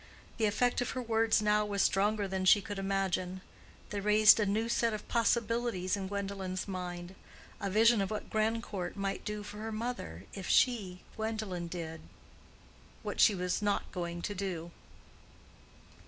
The effect of her words now was stronger than she could imagine: they raised a new set of possibilities in Gwendolen's mind—a vision of what Grandcourt might do for her mother if she, Gwendolen, did—what she was not going to do.